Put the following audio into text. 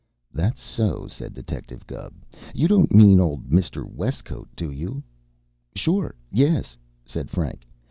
"That so?" said Detective Gubb. "You don't mean old Mr. Westcote, do you?" "Sure, yes!" said Frank.